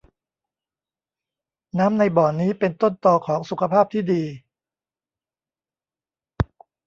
น้ำในบ่อนี้เป็นต้นตอของสุขภาพที่ดี